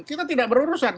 kita tidak berurusan